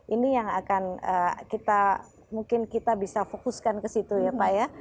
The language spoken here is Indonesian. ini yang akan kita mungkin kita bisa fokuskan ke situ ya pak ya